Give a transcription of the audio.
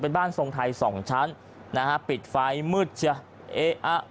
เป็นบ้านทรงไทยสองชั้นนะฮะปิดไฟมืดใช่ไหมเอ๊ะอ่ะ